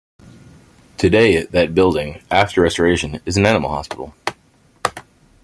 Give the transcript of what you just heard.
Today that building, after restoration, is an animal hospital.